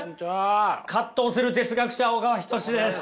葛藤する哲学者小川仁志です。